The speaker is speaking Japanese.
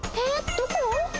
どこ？